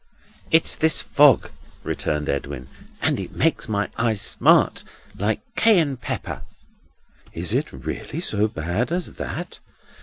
"It's this fog," returned Edwin; "and it makes my eyes smart, like Cayenne pepper." "Is it really so bad as that?